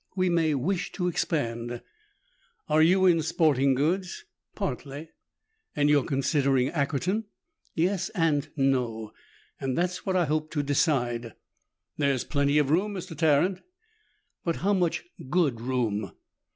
"We may wish to expand." "Are you in sporting goods?" "Partly." "And you're considering Ackerton?" "Yes and no. That's what I hope to decide." "There's plenty of room, Mr. Tarrant." "But how much good room?"